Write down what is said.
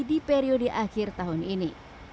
di periode akhir tahun ini